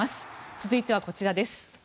続いてはこちらです。